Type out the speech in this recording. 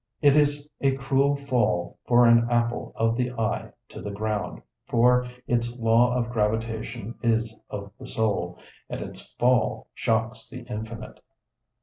It is a cruel fall for an apple of the eye to the ground, for its law of gravitation is of the soul, and its fall shocks the infinite.